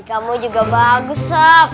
kamu juga bagus